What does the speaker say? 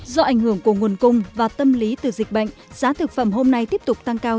do ảnh hưởng của nguồn cung và tâm lý từ dịch bệnh giá thực phẩm hôm nay tiếp tục tăng cao